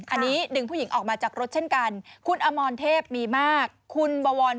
อันนี้ดึงผู้หญิงออกมาจากรถเช่นกัน